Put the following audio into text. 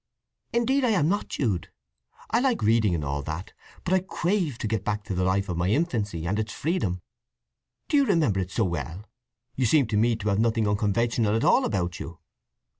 "Indeed I am not, Jude. I like reading and all that, but I crave to get back to the life of my infancy and its freedom." "Do you remember it so well? You seem to me to have nothing unconventional at all about you."